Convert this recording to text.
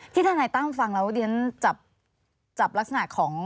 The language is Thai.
ที่ท่านายตั้งฟังแล้วดิฉันจับลักษณะของ